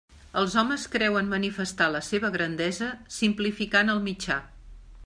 Els homes creuen manifestar la seva grandesa simplificant el mitjà.